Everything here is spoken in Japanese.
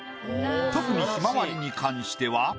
特にひまわりに関しては。